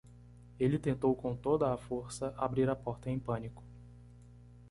Ele tentou com toda a força abrir a porta em pânico.